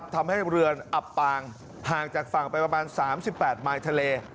ทำให้เรือนอับปางห่างจากฝั่งไปประมาณ๓๘มายทะเล